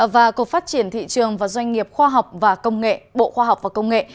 và cục phát triển thị trường và doanh nghiệp khoa học và công nghệ bộ khoa học và công nghệ